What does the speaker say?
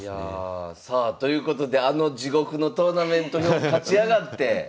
さあということであの地獄のトーナメント表勝ち上がって。